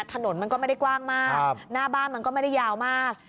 ถนนมันก็ไม่ได้กว้างมากหน้าบ้านมันก็ไม่ได้ยาวมาก